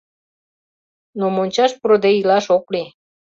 Но мончаш пурыде илаш ок лий.